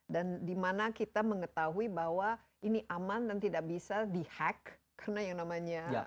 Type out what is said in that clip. dan dimana kita mengetahui bahwa ini aman dan tidak bisa di hack karena yang namanya